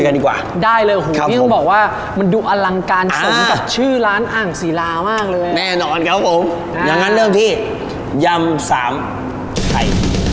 แน่นอนครับผมอย่างนั้นเริ่มที่ยำสามไข่